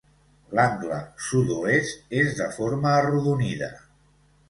L'angle sud-oest és de forma arrodonida.